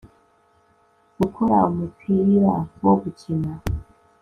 gukora umupira wo gukina